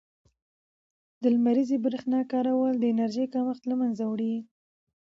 د لمریزې برښنا کارول د انرژۍ کمښت له منځه وړي.